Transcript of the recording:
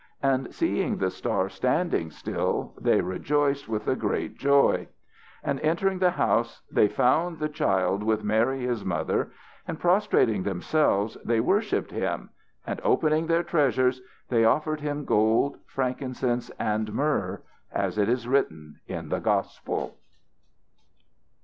And seeing the star standing still they rejoiced with a great joy. And, entering the house they found the child with Mary his mother, and prostrating themselves, they worshipped him. And opening their treasures they offered him gold, frankincense and myrrh, as it is written in the Gospel.